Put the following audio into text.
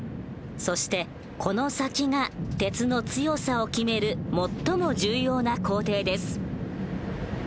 そしてこの先が鉄の強さを決める最も重要な工程です。